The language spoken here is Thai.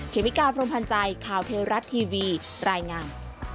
เมกาพรมพันธ์ใจข่าวเทวรัฐทีวีรายงาน